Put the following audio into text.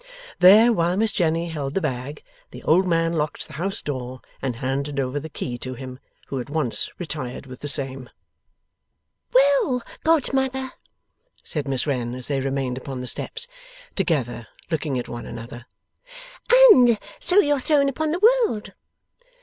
There, while Miss Jenny held the bag, the old man locked the house door, and handed over the key to him; who at once retired with the same. 'Well, godmother,' said Miss Wren, as they remained upon the steps together, looking at one another. 'And so you're thrown upon the world!